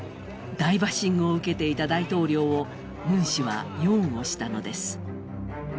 大バッシングを受けていた大統領をムン氏は擁護したのです。